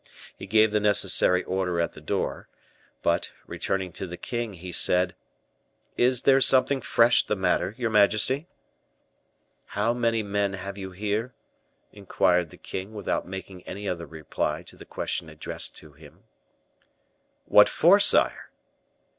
He gave the necessary order at the door; but, returning to the king, he said, "Is there something fresh the matter, your majesty?" "How many men have you here?" inquired the king, without making any other reply to the question addressed to him. "What for, sire?"